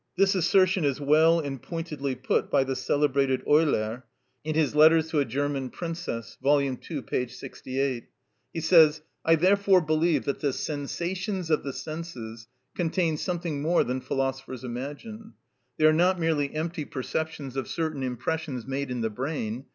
This assertion is well and pointedly put by the celebrated Euler in his "Letters to a German Princess," vol. ii. p. 68. He says: "I therefore believe that the sensations (of the senses) contain something more than philosophers imagine. They are not merely empty perceptions of certain impressions made in the brain.